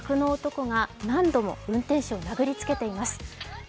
客の男が何度も運転手を殴りつけています。